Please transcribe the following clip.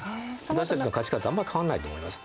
私たちの価値観とあんま変わんないと思います。